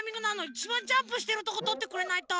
いちばんジャンプしてるとことってくれないと！